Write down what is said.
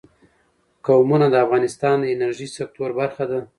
قومونه د افغانستان د انرژۍ سکتور برخه ده.